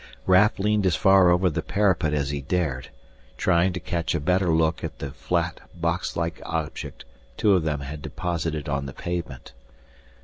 Raf leaned as far over the parapet as he dared, trying to catch a better look at the flat, boxlike object two of them had deposited on the pavement.